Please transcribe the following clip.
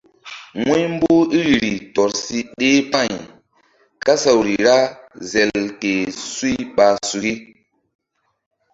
Wu̧y mboh iriri tɔr si ɗeh pa̧y kasawri ra zel ke suy ɓa suki.